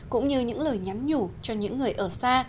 cũng như những lời nhắn nhủ cho những người ở xa